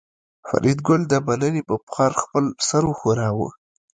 فریدګل د مننې په پار خپل سر وښوراوه